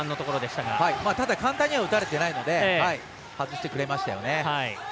ただ簡単には打たれていないので外してくれましたよね。